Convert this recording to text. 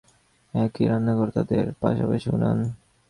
একই রান্নাঘর তাদের, পাশাপাশি উনান।